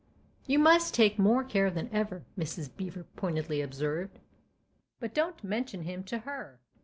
" You must take more care than ever," Mrs. Beever pointedly observed. " But don't mention him to her!